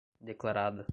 declarada